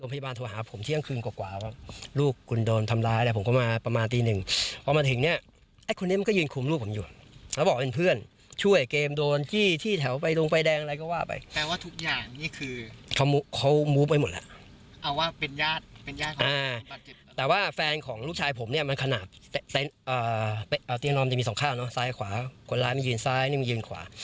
เอาเตียงนอนมันจะมีสองข้าวเนอะซ้ายขวาคนร้ายมันยืนซ้ายนี่มันยืนขวา